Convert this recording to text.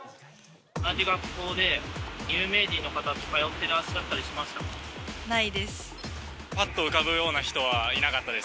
同じ学校で有名人の方と通っないです。